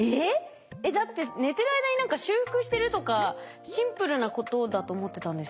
えっ？だって寝てる間に何か修復してるとかシンプルなことだと思ってたんですけど。